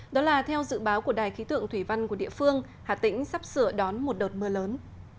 đó là theo dự báo của đài khí tượng thủy văn của địa phương hà tĩnh sắp sửa đón một đợt mưa lớn